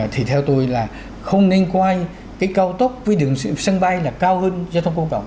thì theo tôi là không nên coi cái cao tốc với đường sân bay là cao hơn giao thông công cộng